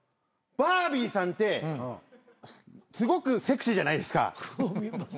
バービーさんってすごくセクシーじゃないですか。